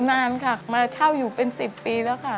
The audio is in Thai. นานค่ะมาเช่าอยู่เป็น๑๐ปีแล้วค่ะ